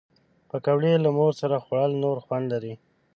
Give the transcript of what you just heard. پکورې له مور سره خوړل نور خوند لري